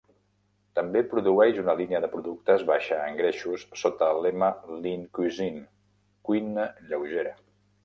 També produeix una línia de productes baixa en greixos sota el lema Lean Cuisine (cuina lleugera).